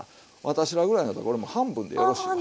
私らぐらいなったらこれもう半分でよろしいわ。